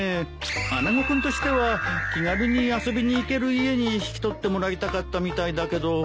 穴子君としては気軽に遊びに行ける家に引き取ってもらいたかったみたいだけど。